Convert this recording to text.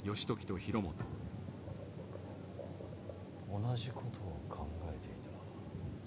同じことを考えていた。